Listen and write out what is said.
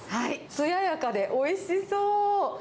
つややかでおいしそう。